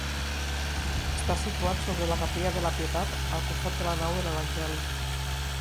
Està situat sobre la Capella de la Pietat, al costat de la nau de l'Evangeli.